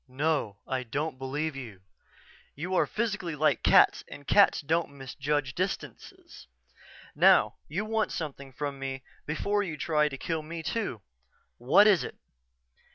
"No, I don't believe you. You are physically like cats and cats don't misjudge distances. Now, you want something from me before you try to kill me, too. What is it?"